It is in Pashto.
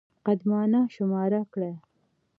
قدمانه شماره کړه.